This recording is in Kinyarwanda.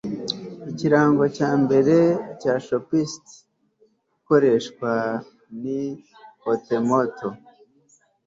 ikirango cyambere cya chopsticks ikoreshwa ni otemoto